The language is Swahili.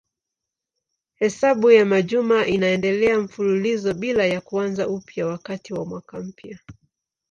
Hesabu ya majuma inaendelea mfululizo bila ya kuanza upya wakati wa mwaka mpya.